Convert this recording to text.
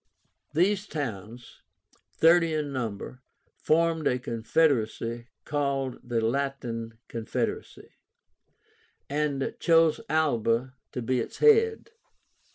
These towns, thirty in number, formed a confederacy, called the LATIN CONFEDERACY, and chose Alba to be its head.